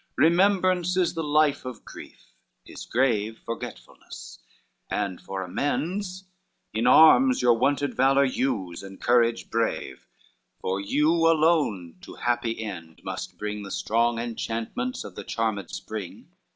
Remembrance is the life of grief; his grave, Forgetfulness; and for amends, in arms Your wonted valor use and courage brave; For you alone to happy end must bring The strong enchantments of the charmed spring.